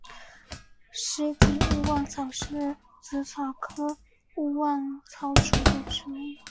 湿地勿忘草是紫草科勿忘草属的植物。